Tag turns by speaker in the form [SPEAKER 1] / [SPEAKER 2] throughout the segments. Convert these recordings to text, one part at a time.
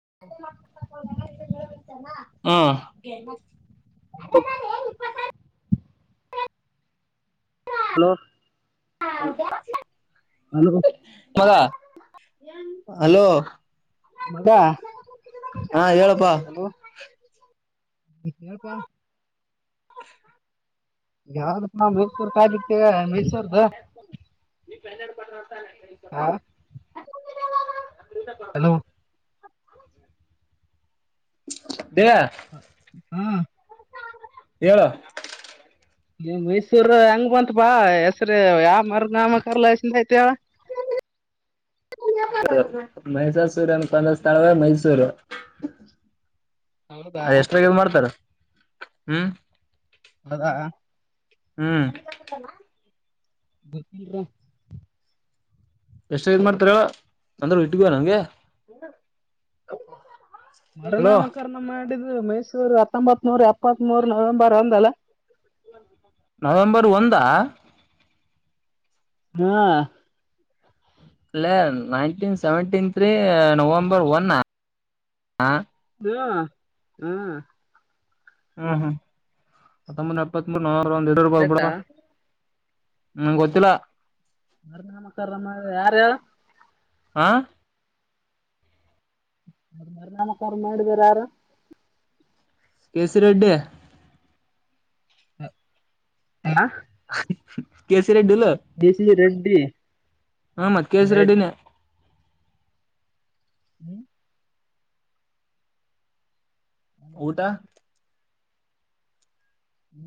[SPEAKER 1] ಹ್ಮ
[SPEAKER 2] ಹ ಹಲೋ
[SPEAKER 1] ಹಾ
[SPEAKER 2] ಹಲೋ
[SPEAKER 1] ಹಲೋ ಹಾ ಹೇಳಪ್ಪಾ
[SPEAKER 2] ಹಲೋ ಹೇಳಪ್ಪ
[SPEAKER 1] ಹ
[SPEAKER 2] ಗಾವದು ಮೈಸೂ ಕಾಯ ದತ ಮೈಸೂರ್ದ
[SPEAKER 1] ನೋಡತಾನೇ
[SPEAKER 2] ಹಾ
[SPEAKER 1] ಹ
[SPEAKER 2] ಹಲೋ
[SPEAKER 1] ಹೇಳ
[SPEAKER 2] ಹ್ಮ್
[SPEAKER 1] ಹೇಳು
[SPEAKER 2] ನೀ್ ಮೈಸೂರ್ ಹೆಂಗ್ ಬಂತ ಬಾ ಹೆಸ್ರ ಯಾವ ಮರ್ಗಾಮ ಕರ್ಲಸಿಂದ ಆಯತ
[SPEAKER 1] [inaudible] ಮೈಸಾಸುರನನ್ನು ಕೊಂದ ಸ್ಥಳವೆ ಮೈಸೂರು
[SPEAKER 2] ಹೌದಾ
[SPEAKER 1] ಅದ ಎಷ್ಟ್ರಾಗ ಮಾಡ್ತಾರ ಹ್ಮ್
[SPEAKER 2] ಅದಾ
[SPEAKER 1] ಹ್ಮ್
[SPEAKER 2] ಬರ್ತಿಲ್ರ
[SPEAKER 1] ಎಷ್ಟ ಇದ್ ಮಾಡ್ತಾರ ಅಂದ್ರ ಇಟ್ಗುವ ನಂಗೆ
[SPEAKER 2] ಮರು
[SPEAKER 1] ಹಲೋ
[SPEAKER 2] ನಾಮಕರಣ ಮಾಡಿದ್ರು ಮೈಸೂರು ಹತ್ತೊಂಬತ್ ನೂರ್ ಎಪ್ಪತ್ತ್ ಮೂರ್ ನವೆಂಬರ್ ಒಂದಲ್ಲ
[SPEAKER 1] ನವೆಂಬರ್ ಒಂದ
[SPEAKER 2] ಹಾ
[SPEAKER 1] ಲೆ nineteen seventeen three November one ಹಾ
[SPEAKER 2] ಹ್ಮ ಹ್ಮ್
[SPEAKER 1] ಹ್ಮ್ ಹ್ಮ್ ಹತ್ತೊಂಬ ಎಪ್ಪತ್ತ್ ಮೂರ್ ಹ್ಮ್
[SPEAKER 2] ಕರೆಕ್ಟಾ
[SPEAKER 1] ನಂಗ್ ಗೊತ್ತಿಲ್ಲ
[SPEAKER 2] ಮರುನಾಮಕರಣ ಮಾಡಿದವರು ಯಾರು
[SPEAKER 1] ಆ
[SPEAKER 2] ಮರುನಾಮಕರಣ ಮಾಡಿದವರು ಯಾರು
[SPEAKER 1] ಕೇ ಸಿ ರೆಡ್ಡಿ
[SPEAKER 2] ಹ ಹ
[SPEAKER 1] ಕೆ ಸಿ
[SPEAKER 2] ಕ್ ಸಿ ರೆಡ್ಡಿ
[SPEAKER 1] ಹಮ್ಮ ಕೆ ಸಿ
[SPEAKER 2] ರೈಟ್
[SPEAKER 1] ರೆಡ್ಡಿನೇ
[SPEAKER 2] ಹ್ಮ್
[SPEAKER 1] ಊಟ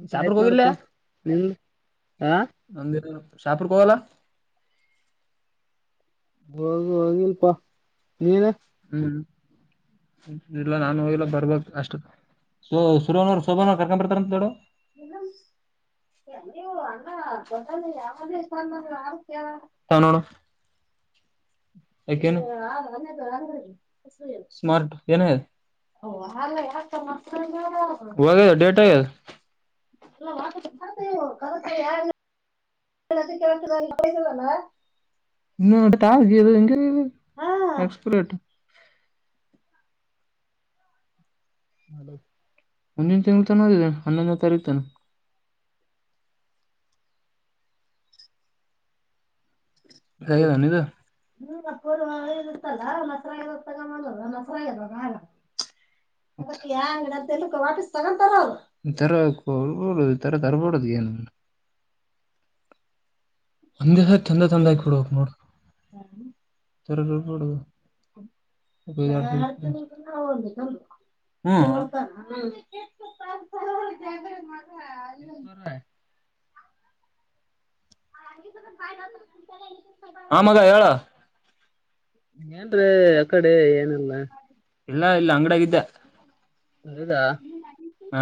[SPEAKER 2] ಊಟ ಆಯ್ತ್
[SPEAKER 1] ಶಾಪ್ರಗೆ ಹೋಗಿರ್ಿಲ್ಲ
[SPEAKER 2] ನೋಡಪ್ಪಾ ನಿಂದ ಹಾ
[SPEAKER 1] ನಂದ ಶಾಪುರ್ಕ್ ಹೋಗಲ್ಲ
[SPEAKER 2] ಹೋಗ ಹೋಗಿಲ್ಪಾ ನೀನ
[SPEAKER 1] ಹ್ಮ ಇಲ್ಲ ನಾನು ಹೋಗಲ್ಲ ಬರ್ಬಬೇಕ ಅಷ್ಟ ಓ ಸುರನರು ಸೋಭಾನವರ್ ಕರ್ಕೊ ಬರ್ತಾರ ತಡ [unintelligible] ತಾ ನೊಡಮಿ ಯೇಕೆನ್ ಸ್ಮಾರ್ಟ ಏನ ಹಾಗ ಡೇಟ್ ಆಗ ಎಲ್ಲತ ಕಸ ಯಾರ [unintelligible] ಕಳಯಲ್ಲಣ [unintelligible] ಇನ್ನ ನದ ಎಕ್ಷಪ್ಲೇಟ್
[SPEAKER 2] [inaudible]
[SPEAKER 1] ಹ ತಿ ತಾನದಿದ್ದ ಹನ್ನೊಂದ ತಾರೀಖ ತ
[SPEAKER 2] ಹಲೋ
[SPEAKER 1] ಇದ ನಿಂದುರ್ ಕೊ ಇತ್ತಲ್ಲರ ಮಸರ ತಗ ಮಾಡ ಮೊಸರಾಗ ಹ ಯ ಅಂಗಡಿ ವಾಪಿಸ್ ತಂಗೊಂತಾರ್ ಅವ್ರು ತರ್ಬಡದು [inaudible] ಅಂದೆ ತಂದ ತಂದ
[SPEAKER 2] ಹಲೋ
[SPEAKER 1] ಆಗ ಕೊಡಕ್ ನೋಡರ ಕೊಡ [unintelligible] ಹ್ಮ್
[SPEAKER 2] ಈಶ್ವರ
[SPEAKER 1] ಆ ಮಗ ಹೇಳ
[SPEAKER 2] ನೀ ಏನ್ರ ಆ ಕಡೆ ಏನಲ್ಲ
[SPEAKER 1] ಇಲ್ಲಾ ಇಲ್ಲ ಅಂಗಡಾಗಿದ್ದೆ
[SPEAKER 2] ಹದಾ
[SPEAKER 1] ಹ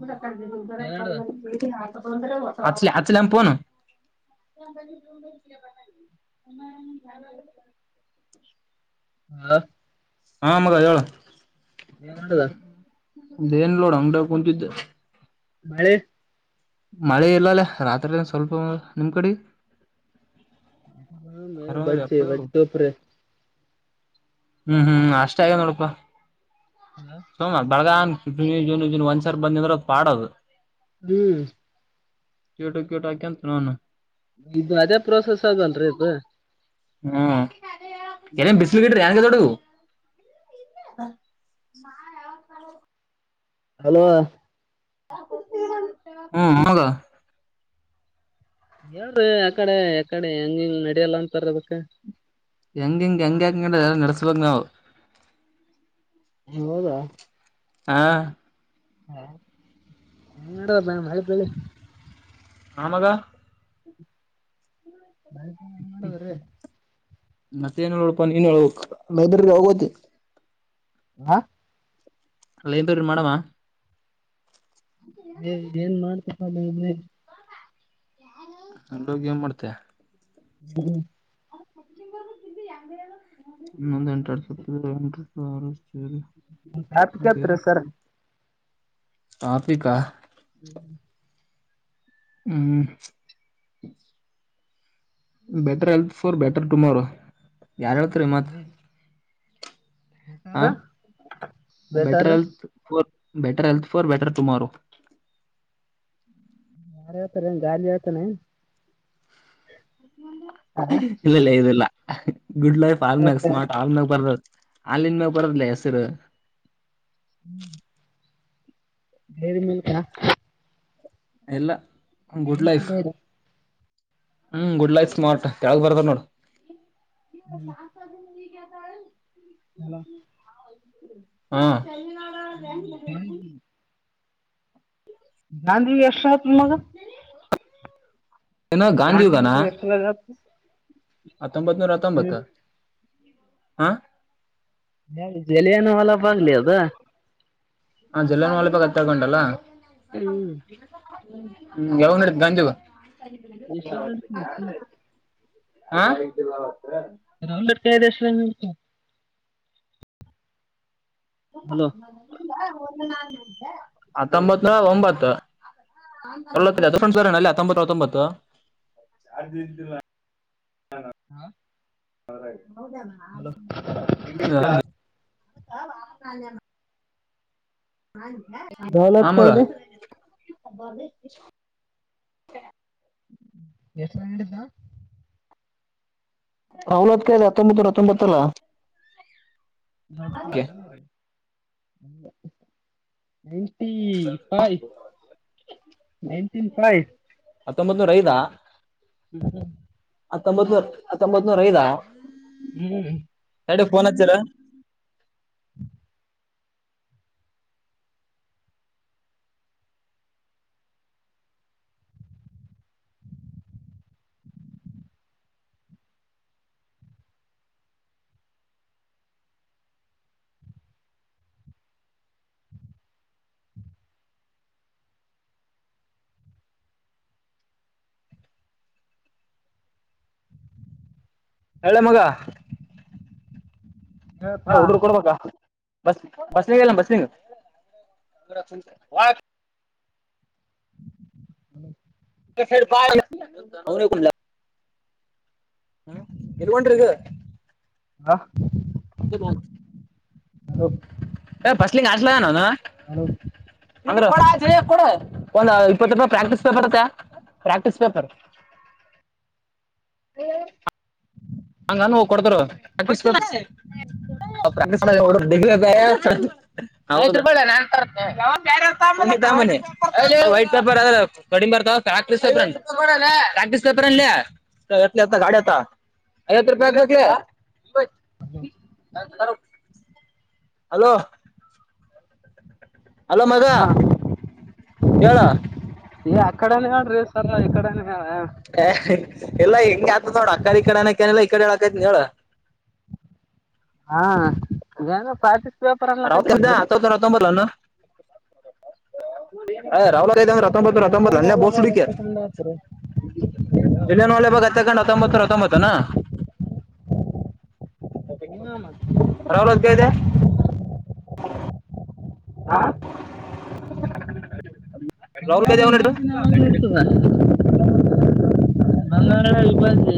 [SPEAKER 1] ಕೂಡ
[SPEAKER 2] ಏನ್ಡ್ದ
[SPEAKER 1] [unintelligible] ಆಚಲಿ ಹಾಚಲ್ಯ ಪುನ್ [unintelligible]
[SPEAKER 2] ಲೋ
[SPEAKER 1] ಹ ಮಗಹೆಳ
[SPEAKER 2] ನೀ ನಡದ
[SPEAKER 1] ದೇನ್ ಲೋಡ ಅಂಗಡ ಕುನತಿದ
[SPEAKER 2] ಮಳೆ
[SPEAKER 1] ಮಳೆ ಇಲ್ಲಲ್ಲೇ ರಾತ್ರಿ ಸ್ವಲ್ಪ ನಿಮ್ ಕಡೆ
[SPEAKER 2] ಬಟ್ ಬಟ್ಪ್ರ
[SPEAKER 1] ಹ್ಮ್ ಹ್ಮ್ ನಾಷ್ಟ ಆಗ ನೋಡಪ ಸೋಮ ಬಳಗನ್ ಜನ್ ಒಂದ್ಸಾರ್ ಬಂದಂದ್ರ ಅದ ಪಾಡದು
[SPEAKER 2] ಹ್ಮ್
[SPEAKER 1] ಕೆಟ ಕೆಟಕಂತ ನನ
[SPEAKER 2] ಇದು ಅದೇ ಪ್ರೊಸೆಸ್ ಆದಲ್ರಿ ಇದು
[SPEAKER 1] ಹ್ಮ್ ಏನೇನು ಬಿಸಿ್ಲು ಗಿಟ್ರಿನ್ಗ ತೊಡಗು [inaudible]
[SPEAKER 2] ಹಲೋ
[SPEAKER 1] ಹ್ಮ ಹೊಗ
[SPEAKER 2] ಯಾವ್ದ ಯಾಕಡೆ ಯಕಡೆ ಹೆಂಗಿಂಗ ನಡಿಯಲ್ಲ ಅಂತರ್ಬೇಕ
[SPEAKER 1] ಹೆಂಗ ಹೆಂಗ ಹೆಂಗ ಹಂಗಂಗ ಎಲ್ಲ ನಡೆಸ್ಬಕ್ ನಾವು
[SPEAKER 2] ನೀ ಹೋದ್ಯ
[SPEAKER 1] ಹಾ
[SPEAKER 2] ಹಾ ಹ ನಡ ಮಳಿ ಭಿಳಿ
[SPEAKER 1] ಆ ಮಾಗ
[SPEAKER 2] ಏನ್ ಮಾಡಿ ಹೋಗಿರಿ
[SPEAKER 1] ಮತ್ತೆ ಏನ್ಪ ಇನ್ ಲೈಬ್ರರಿ ಯಾವಾಗಹೋಗೋತಿ
[SPEAKER 2] ಹ
[SPEAKER 1] ಲೈನದೂರಿಗ ಮಾಡಮ್ಮಾ
[SPEAKER 2] ಏ ಏನ್ ಮಾಡ್ತಪ್ಪೇ
[SPEAKER 1] ಅಲ್ಲೋಗ ಏನ ಮಾಡ್ತ
[SPEAKER 2] ಹ್ಮ
[SPEAKER 1] ನ ಎಂಟಡ್ತ ಎಂಟ [unintelligible] [inaudible]
[SPEAKER 2] ಯಾಕೆ ಕೇಳತರಿ ಸರ್
[SPEAKER 1] ಟ್ರಾಫಿಕಾ
[SPEAKER 2] ಹ್ಮ್
[SPEAKER 1] ಹ್ಮ better health for better tomorrow ಯಾರ್ ಹೇಳ್ತರ ಈ ಮಾತ್
[SPEAKER 2] ಬೇಟಾರ
[SPEAKER 1] ಹ
[SPEAKER 2] ಬೇಟಾರ
[SPEAKER 1] better health for better health for better tomorrow
[SPEAKER 2] ಯಾರ ಹೇಳ್ತಾರೆನ ಗಾಲಿ ಹೇಳ್ತಾನ
[SPEAKER 1] ಇಲ್ಲ ಇಲ್ಲ ಇದಿಲ್ಲ ಗುಡ್ ಲೈಫ್ ಆರ್ಮ್ಯಾಗ ಸ್ಮಾರ್ಟ್ ಆರ್ಮ್ಯಾಗ ಬರ್ದ ಹಾಲ್ಲಿನ್ ಮ್ಯಾಗ ಬರದದಲೇ ಹೆಸರ
[SPEAKER 2] ಹ್ಮ ಡೈರಿ ಮಿಲ್ಕ್
[SPEAKER 1] ಇಲ್ಲ
[SPEAKER 2] ಮಿಲ್ಕ್ ಮೇಡ್
[SPEAKER 1] ಹ್ಮ್ ಗುಡ್ ಲೈಟ್ ಸ್ಮಾರ್ಟ್ ಕೆಳಗ್ ಬರದದ ನೋಡ್ ಹ [unintelligible]
[SPEAKER 2] ಹಲೋ
[SPEAKER 1] ಹಾ
[SPEAKER 2] ಹ್ಮ ಹ ಗಾಂದಿ ಎಷ್ಟತ್ ಮಗ
[SPEAKER 1] ಏನ ಗಾಂಧಿ
[SPEAKER 2] ಗಧಾನ್ಿ
[SPEAKER 1] ಯುಗನಾ
[SPEAKER 2] ಎಷ್ಟುಲ್ಲಪ್ಪ [inaudible]
[SPEAKER 1] ಹತ್ತೊಂಬತ್ ನೂರ ಹತ್ತೊಂಬತ್ತ ಹಾ
[SPEAKER 2] ಜಲಿಯನವಲ್ಲಬಾಗಲೆ ಅದ
[SPEAKER 1] ಹ ಜಲಿಯನವಾಲ ಬಾಗ ಹತ್ಯಾಕಾಂಡಲ
[SPEAKER 2] ಹ್ಮ್
[SPEAKER 1] ಹ್ಮ ಯಾವಗ ನಡಿತ ಗಾಂಧಿದ
[SPEAKER 2] ಎಷ್ಟು
[SPEAKER 1] ಹಾ
[SPEAKER 2] ಏ [inaudible] [unintelligible] ಹಲೋ
[SPEAKER 1] ಹತ್ತೊಂಬತ್ತನೂರ ಒಂಬತ್ತು [unintelligible]
[SPEAKER 2] ಹಾ
[SPEAKER 1] ಹೌದ ಆ
[SPEAKER 2] ದೌಲತ್
[SPEAKER 1] ಮಗ
[SPEAKER 2] ಕಾಯ್ದೆ ಎಷ್ಟರಗ ನಡಿದ್ದಾ
[SPEAKER 1] ಔಲದ ಕಾಯ್ದೆ ಹತಂಬತ್ತನೊರ ಹತಂಬತ್ತಲ್ಲ
[SPEAKER 2] ನ ಅಲ್ಲ ರಿ ನೈಂಟಿ ಫೈ ನೈಂಟಿನ ಫೈವ್
[SPEAKER 1] ಹತ್ತೊಂಬತ್ ನೂರ ಐದಾ
[SPEAKER 2] ಹ್ಮ
[SPEAKER 1] ಹತ್ತೊಂಬತ್ನೂರ್ ಹತ್ತೊಂಬತ್ ನೂರ ಐದಾ
[SPEAKER 2] ಹ್ಮ್
[SPEAKER 1] ತಡಿ ಫೋನ್ ಹಚ್ಚರಾ ಹೇಳಲೆ ಮಗ ಯ
[SPEAKER 2] ಹೇಳ್ಪಾ
[SPEAKER 1] ಹುಡರು ಕೊಡ್ಬೇಕಾ ಬಸ್ ಬಸ್ಲಿ ಎಲ್ಲ ಬಸ್ಲಿ [unintelligible]
[SPEAKER 2] [inaudible]
[SPEAKER 1] [unintelligible] ಹ್ಮ್ ಎಲ್ಲಿಗೆ ಹೊಂಟ್ರಿ ಈಗ
[SPEAKER 2] ಹಾ
[SPEAKER 1] [unintelligible] [unintelligible] [unintelligible]
[SPEAKER 2] [unintelligible] ಹಲೋ
[SPEAKER 1] ಇಪ್ಪತ್ತು ರೂಪಾಯಿ ಪ್ರಾಕ್ಟೀಸ್ ಪೇ ಬರುತ್ತೆ ಪ್ರಾಕ್ಟೀಸ್ ಪೇಪರ್ [unintelligible] ಹಂಗ್ ಅನ್ನು ಕೊಡ್ತಾರೆ [unintelligible] [unintelligible] ವೈಟ್ ಪೇಪರ್ [unintelligible] ಪ್ರಾಕ್ಟೀಸ್ ಪೇಪರ್ ಏನ್ಲೆ [unintelligible] ಐವತ್ತು ರೂಪಾಯಿ [unintelligible] ಹಲೋ ಹಲೋ ಮಗ
[SPEAKER 2] ಹಾ
[SPEAKER 1] ಹೇಳ
[SPEAKER 2] ಹೇ ಅಕ್ಕಡೆನೆ ಹೇಳ್ರೀ ಸರ್ ಇಕಡೆನೆ ಹೇಳ
[SPEAKER 1] [unintelligible] ಈ ಕಡೆನಕಲ್ಲ ಈ ಕಡೆ ಹೇಳಕೈತ್ ಹೇಳ
[SPEAKER 2] ಹಾ [unintelligible]
[SPEAKER 1] [unintelligible] [unintelligible]
[SPEAKER 2] ಅನ್ಲಕೈತಲ್ರಿ
[SPEAKER 1] ಹತ್ತೊಂಬತ್ತು ಹತ್ತೊಂಬತ್ ಏನ್ಲೆ [unintelligible]
[SPEAKER 2] ಎಲೆನೂ ಹಲವಾಗ ಎತ್ತಕೊಂಡ್ ಹಾಕ್ರಿ
[SPEAKER 1] [unintelligible] ಹತ್ತೊಂಬತ ಹತ್ತೊಂಬತ್ತೇನ [unintelligible]
[SPEAKER 2] ಹಾ
[SPEAKER 1] [unintelligible]
[SPEAKER 2] [unintelligible]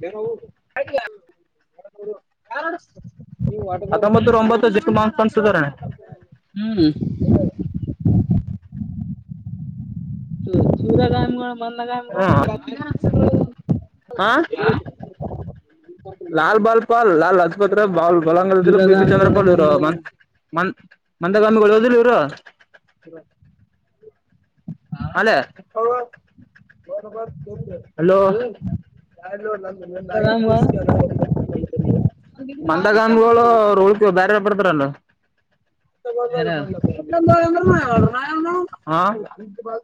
[SPEAKER 1] [unintelligible] ಹತ್ತೊಂಬತ್ತೂ ಒಂಬತ್ತು [unintelligible]
[SPEAKER 2] ಹ್ಮ್ [unintelligible] [unintelligible]
[SPEAKER 1] ಹಾ [unintelligible] ಹಾ ಲಾಲ್ ಬಾಲ್ಪಾಲ್ ಲಾಲ್ ಲಜಪತ್ ಬಾಲ್ [unintelligible] ಬಿಪಿ
[SPEAKER 2] ವೀರಗಾಮಿಗಳು
[SPEAKER 1] ಚಂದ್ರಪ್ಪಾ
[SPEAKER 2] ಮುಂದಗಾಮಿ
[SPEAKER 1] [unintelligible] [unintelligible] [unintelligible] ಹಲೋ [unintelligible] [unintelligible]
[SPEAKER 2] ವೀರಗಾಮಿಗಳು
[SPEAKER 1] ಮಂದಗದಗಳು [inaudible] ಬೇರೆಯವರ ಬರ್ತಾರಲ್ಲ [unintelligible] ಹಾ [unintelligible]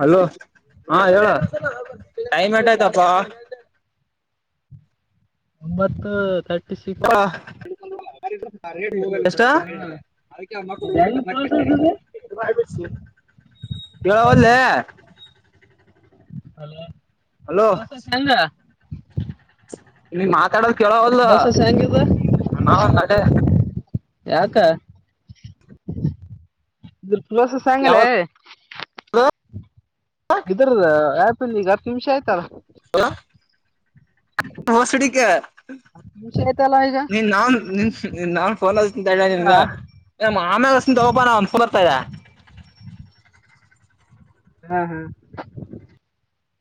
[SPEAKER 1] ಹಲೋ ಹಾ ಹೇಳ ಟೈಮ್ ಎಟ್ಟು ಆಯ್ತಪ್ಪಾ [inaudible]
[SPEAKER 2] ಒಂಬತ್ತು ತರ್ಟಿ ಸಿಕ್ಸ್
[SPEAKER 1] [unintelligible] ಎಷ್ಟ
[SPEAKER 2] ಹ್ಮ್ ಇದು ಹೆಂಗ್ ಪ್ರೋಸೆಸ್ ಇದೆ
[SPEAKER 1] [unintelligible]
[SPEAKER 2] ಹಲೋ
[SPEAKER 1] ಕೇಳವಲ್ಲೇ
[SPEAKER 2] [unintelligible]
[SPEAKER 1] ನೀ ಮಾತಾಡದು ಕೇಳವದಲ್ಲ [unintelligible]
[SPEAKER 2] ಪ್ರೋಸೆಸ್ ಹೆಂಗಿದೆ ಯಾಕ [unintelligible] ಪ್ರೋಸೆಸ್ ಆಗಂಗಿಲ್ಲ
[SPEAKER 1] ಯಾವತ್
[SPEAKER 2] ಇದ್ರದ ಅಪಿಂದು ಈಗ ಹತ್ತು ನಿಮಿಷ ಆಯ್ತಲ್ಲ
[SPEAKER 1] [unintelligible]
[SPEAKER 2] [unintelligible]
[SPEAKER 1] ನೀನ್ ನಾನ್ ನಿನ್ ನಾನ್ ಫೋನ್ ಅಂತ ಹೇಳ
[SPEAKER 2] ಹೌದಾ
[SPEAKER 1] ನಿನ್ಗ ಆಮ್ಯಗಸೋಪಾನಂದಫಲರ್ತದೆ
[SPEAKER 2] ಹ್ಮ್ ಹ್ಮ್